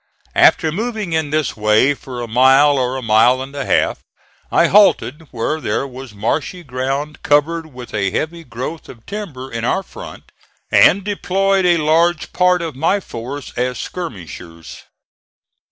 After moving in this way for a mile or a mile and a half, I halted where there was marshy ground covered with a heavy growth of timber in our front, and deployed a large part of my force as skirmishers.